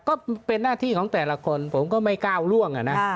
ก็เป็นหน้าที่ของแต่ละคนผมก็ไม่ก้าวล่วงอะนะ